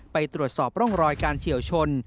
ไปตรวจสอบร่องรอยการเฉียวชน